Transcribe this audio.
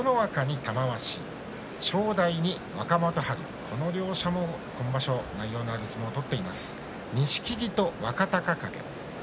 正代に若元春この両者も今場所内容のある相撲を取っています。